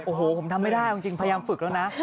โอ้โหผมทำไม่ได้จริงพยายามฝึกแล้วนะ